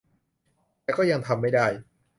แต่ก็ยังทำไม่ได้